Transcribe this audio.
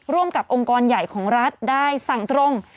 ร่วมกับองค์กรใหญ่ของรัฐได้สั่งตรง